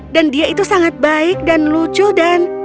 dan dia itu sangat baik dan lucu dan